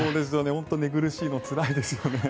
本当に寝苦しいのつらいですよね。